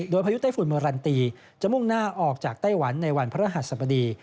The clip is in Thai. โดยพายุไต้ฝุ่นเมอรันตีจะมุ่งหน้าออกจากไต้หวันในวันพระหัสบดี